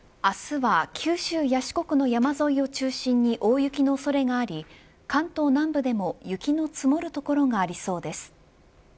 明日は九州や四国の山沿いを中心に大雪の恐れがあり関東南部でも雪の積もる所がありそうです。